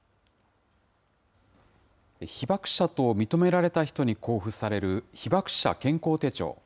被爆者と認められた人に交付される被爆者健康手帳。